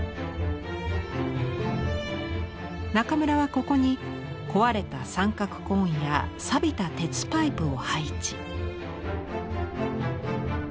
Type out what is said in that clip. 中村はここに壊れた三角コーンやさびた鉄パイプを配置。